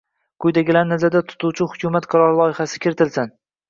quyidagilarni nazarda tutuvchi Hukumat qarori loyihasini kiritsin: